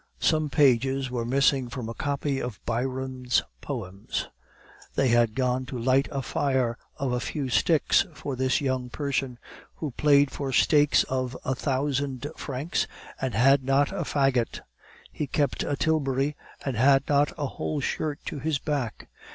Some pages were missing from a copy of Byron's poems: they had gone to light a fire of a few sticks for this young person, who played for stakes of a thousand francs, and had not a faggot; he kept a tilbury, and had not a whole shirt to his back.